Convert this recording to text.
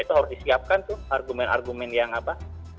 itu harus disiapkan tuh argumen argumen yang apa